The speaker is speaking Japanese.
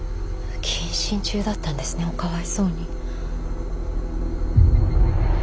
謹慎中だったんですねおかわいそうに。